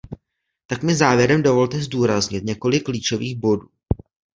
Tak mi závěrem dovolte zdůraznit několik klíčových bodů.